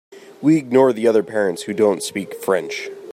We ignore the other parents who don’t speak French.